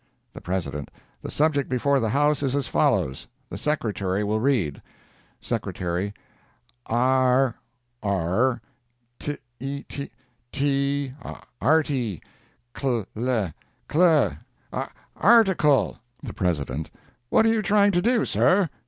The President—"The subject before the house is as follows. The Secretary will read:" Secretary—"A r, ar,—t i, ti—arti, c l e, cle,—article—" The President—"What are you trying to do, sir?"